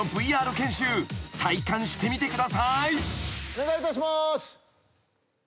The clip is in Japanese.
お願いいたします。